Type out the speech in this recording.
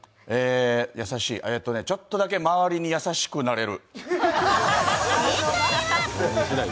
優しい、ちょっとだけ周りに優しくなれる。